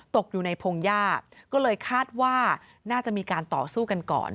ตกอยู่ในพงหญ้าก็เลยคาดว่าน่าจะมีการต่อสู้กันก่อน